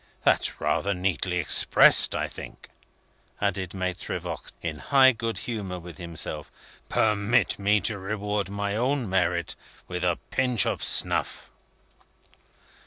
That's rather neatly expressed, I think," added Maitre Voigt, in high good humour with himself. "Permit me to reward my own merit with a pinch of snuff!"